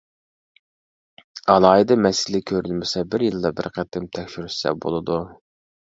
ئالاھىدە مەسىلە كۆرۈلمىسە بىر يىلدا بىر قېتىم تەكشۈرتسە بولىدۇ.